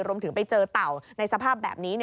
รวมถึงไปเจอเต่าในสภาพแบบนี้